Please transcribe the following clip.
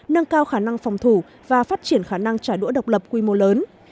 nâng cao khả năng phòng thủ và phát triển khả năng trả đũa độc lập quy mô lớn